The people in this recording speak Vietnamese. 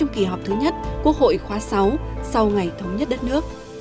kỳ họp thứ nhất quốc hội khóa sáu sau ngày thống nhất đất nước